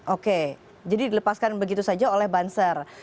oke jadi dilepaskan begitu saja oleh banser